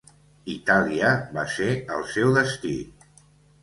Itàlia va ser el seu destí.